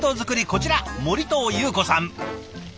こちら森藤有子さん。